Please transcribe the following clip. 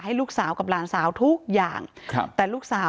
ในส่วนของนางสาววนิดาเนี่ยค่ะ